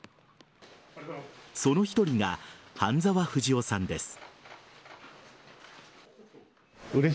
その１人が半澤富二雄さんです。